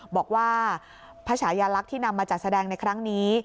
บอกว่าพระชายาลักษณ์ที่นำมาจัดแสดงในครั้งนี้